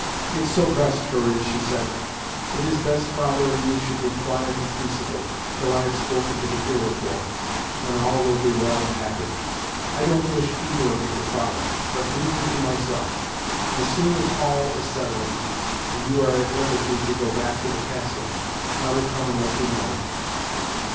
"It's so best, Hurry," she said. "It is best father and you should be quiet and peaceable, 'till I have spoken to the Iroquois, when all will be well and happy. I don't wish either of you to follow, but leave me to myself. As soon as all is settled, and you are at liberty to go back to the castle, I will come and let you know it."